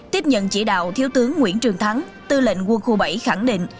tiếp nhận chỉ đạo thiếu tướng nguyễn trường thắng tư lệnh quân khu bảy khẳng định